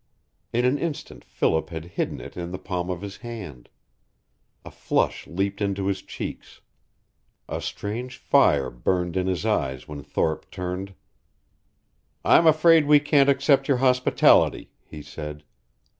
In an instant Philip had hidden it in the palm of his hand. A flush leaped into his cheeks. A strange fire burned in his eyes when Thorpe turned. "I'm afraid we can't accept your hospitality," he said.